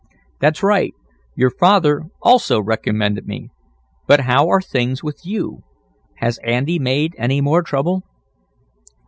"That's right. Your father also recommended me. But how are things with you? Has Andy made any more trouble?"